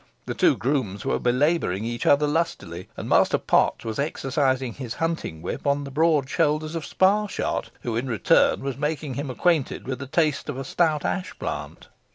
The two grooms were belabouring each other lustily; and Master Potts was exercising his hunting whip on the broad shoulders of Sparshot, who in return was making him acquainted with the taste of a stout ash plant.